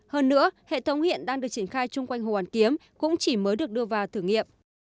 hơn nữa hệ thống hiện đang được triển khai chung quanh hồ hoàn kiếm cũng chỉ mới được đưa vào thử nghiệm